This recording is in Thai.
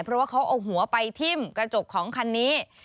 เพราะว่าเขาเอาหัวไปทิ้มกระจกของคันนี้